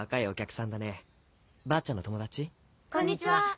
こんにちは。